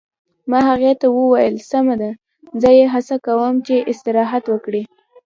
ما هغې ته وویل: سمه ده، زه یې هڅه کوم چې استراحت وکړي.